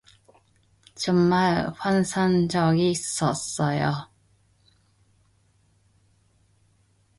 정말 환상적이었어요.